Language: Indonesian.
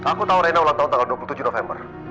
aku tahu reina ulang tahun tanggal dua puluh tujuh november